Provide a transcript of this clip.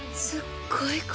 すっごい